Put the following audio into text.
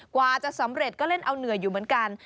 กว่าจะสำเร็จก็เล่นเอาเหนื่อยอยู่เหมือนกัน